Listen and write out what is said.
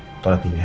ketolak dulu ya